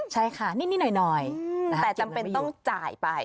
ใช่ค่ะนิดนิดหน่อยหน่อยอืมแต่จำเป็นต้องจ่ายไป